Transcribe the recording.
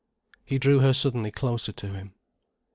He drew her suddenly closer to him.